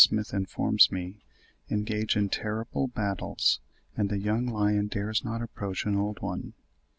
Smith informs me, engage in terrible battles, and a young lion dares not approach an old one.